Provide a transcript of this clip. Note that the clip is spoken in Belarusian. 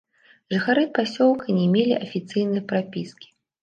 Жыхары пасёлка не мелі афіцыйнай прапіскі.